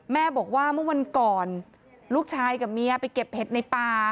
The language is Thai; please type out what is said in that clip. แม่บอกว่าเมื่อวันก่อนลูกชายกับเมียไปเก็บเห็ดในป่า